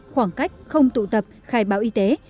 khoảng cách không tụ tập khai báo y tế